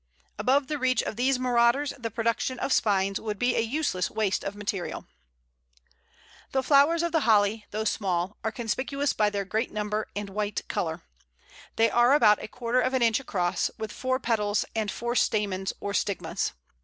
Above the reach of these marauders the production of spines would be a useless waste of material. [Illustration: Pl. 82. Flowers of Holly.] The flowers of the Holly, though small, are conspicuous by their great number and white colour. They are about a quarter of an inch across, with four petals and four stamens or stigmas.